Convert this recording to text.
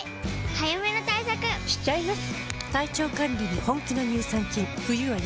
早めの対策しちゃいます。